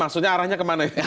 maksudnya arahnya kemana